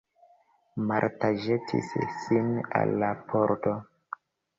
Marta ĵetis sin al la pordo.